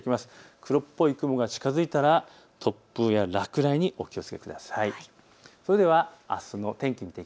黒っぽい雲が近づいたら突風や落雷にお気をつけください。